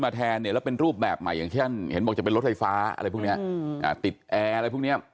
บอกว่าจะเป็นรถไฟฟ้าอะไรพวกนี้ติดแอร์อะไรพวกนี้